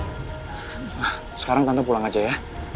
nah sekarang tante pulang aja ya